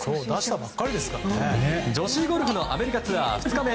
女子ゴルフのアメリカツアー２日目。